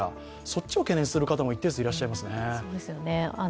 そっちを懸念する方も一定数いらっしゃいますよね。